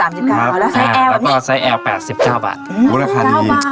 สามสิบเก้าแล้วไซส์แอลแล้วก็ไซส์แอลแปดสิบเก้าบาทอืมราคาดี